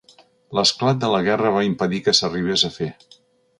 L'esclat de la guerra va impedir que s'arribés a fer.